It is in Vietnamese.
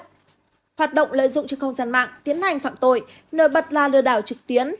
hoạt động lợi dụng trên không gian mạng tiến hành phạm tội nổi bật là lừa đảo trực tuyến